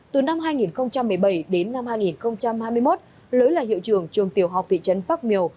từ năm hai nghìn một mươi bảy đến năm hai nghìn hai mươi một lưới là hiệu trưởng trường tiểu học thị trấn bắc miều